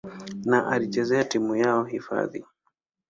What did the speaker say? na alichezea timu yao hifadhi.